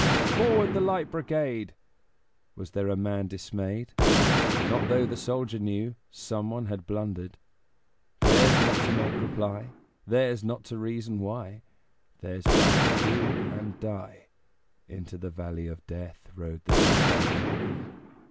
"Forward, the Light Brigade!" Was there a man dismayed? Not though the soldier knew Someone had blundered; Theirs not to make reply, Theirs not to reason why, Theirs but to do and die: Into the valley of Death Rode the six hundred.